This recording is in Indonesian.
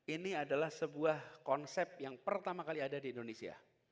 ini adalah sebuah konsep yang pertama kali ada di indonesia